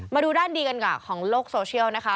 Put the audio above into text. มาดูด้านดีกันกว่าของโลกโซเชียลนะคะ